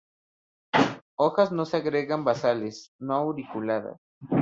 Hojas no se agregan basales; no auriculadas.